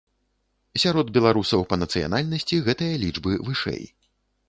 Сярод беларусаў па нацыянальнасці гэтыя лічбы вышэй.